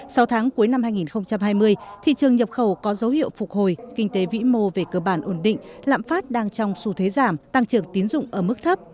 sau tháng cuối năm hai nghìn hai mươi thị trường nhập khẩu có dấu hiệu phục hồi kinh tế vĩ mô về cơ bản ổn định lạm phát đang trong xu thế giảm tăng trưởng tiến dụng ở mức thấp